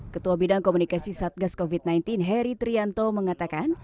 ketua bidang komunikasi satgas covid sembilan belas heri trianto mengatakan